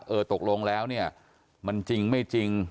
เออตกลงแล้วเนี่ยมันจริงไม่จริง